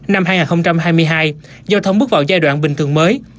năm hai nghìn hai mươi hai giao thông bước vào giai đoạn bình thường mới